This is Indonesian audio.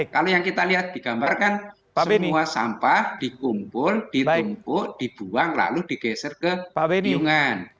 kalau yang kita lihat digambarkan semua sampah dikumpul ditumpuk dibuang lalu digeser ke piungan